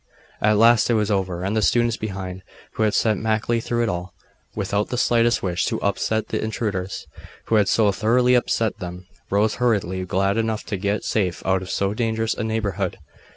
At last it was over, and the students behind, who had sat meekly through it all, without the slightest wish to 'upset' the intruders, who had so thoroughly upset them, rose hurriedly, glad enough to get safe out of so dangerous a neighbourhood.